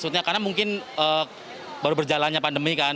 karena mungkin baru berjalannya pandemi kan